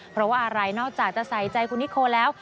เพราะว่าอะไรนอกจากจะใส่ใจคุณนิโคแล้ว